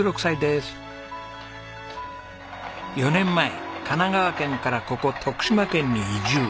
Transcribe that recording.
４年前神奈川県からここ徳島県に移住。